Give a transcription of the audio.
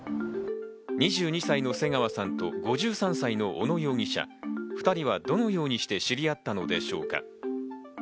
２２歳の瀬川さんと５３歳の小野容疑者、２人はどのようにして知り合ったのでしょうか？